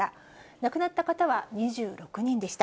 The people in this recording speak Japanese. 亡くなった方は２６人でした。